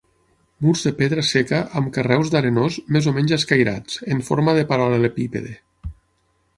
Murs de pedra seca amb carreus d'arenós més o menys escairats, en forma de paral·lelepípede.